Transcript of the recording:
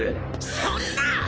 そんな！